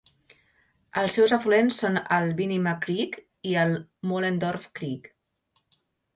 Els seus afluents són el Venema Creek i el Mohlendorph Creek.